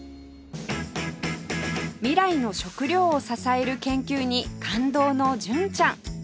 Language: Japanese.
未来の食料を支える研究に感動の純ちゃん